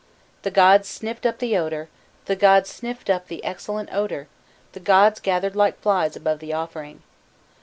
"The gods sniffed up the odour, the gods sniffed up the excellent odour, the gods gathered like flies above the offering.